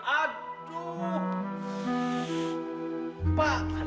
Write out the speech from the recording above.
ayo set udah siap kan